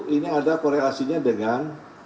ini ada korelasinya dengan